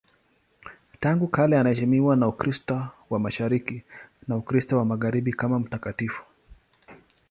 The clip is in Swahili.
Tangu kale anaheshimiwa na Ukristo wa Mashariki na Ukristo wa Magharibi kama mtakatifu.